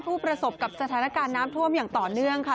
ประสบกับสถานการณ์น้ำท่วมอย่างต่อเนื่องค่ะ